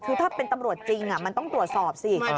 คือถ้าเป็นตำรวจจริงมันต้องตรวจสอบสิ